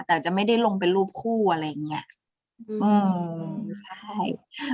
แต่จะไม่ได้ลงเป็นรูปคู่อะไรอย่างนี้